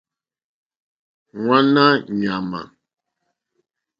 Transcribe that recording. Hwánáá ɲàmà.